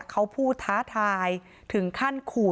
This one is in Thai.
เขาพูดท้าทายถึงขั้นขู่